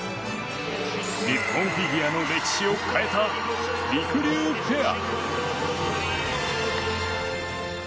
日本フィギュアの歴史を変えたりくりゅうペア。